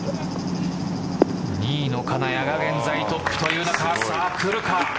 ２位の金谷が現在トップという中さあ、くるか。